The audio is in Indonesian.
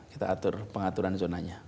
kita atur pengaturan zonanya